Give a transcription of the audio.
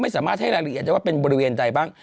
สามารถให้รายละเอียดได้ว่าเป็นบริเวณใดบ้าง